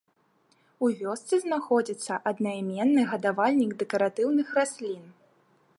У вёсцы знаходзіцца аднайменны гадавальнік дэкаратыўных раслін.